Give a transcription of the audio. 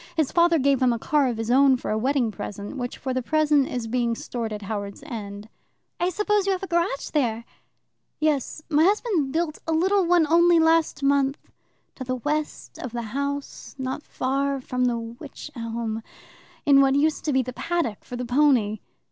His father gave him a car of his own for a wedding present, which for the present is being stored at Howards End." "I suppose you have a garage there?" "Yes. My husband built a little one only last month, to the west of the house, not far from the wych elm, in what used to be the paddock for the pony."